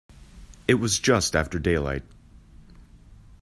It was just after daylight.